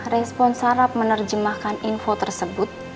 respon sarap menerjemahkan info tersebut